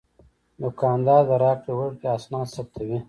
دوکاندار د راکړې ورکړې اسناد ثبتوي.